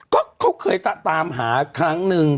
ก็เขาเคยตามหาครั้งหนึ่ง